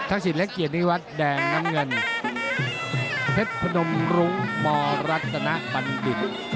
อันนี้คือนักบันดิบ